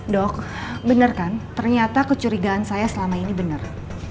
dok bener kan ternyata kecurigaan saya selama ini bener